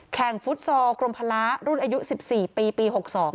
ฟุตซอลกรมพละรุ่นอายุ๑๔ปีปี๖๒